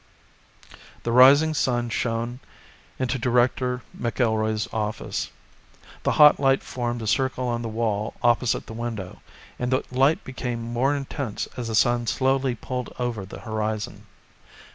The rising sun shone into Director McIlroy's office. The hot light formed a circle on the wall opposite the window, and the light became more intense as the sun slowly pulled over the horizon.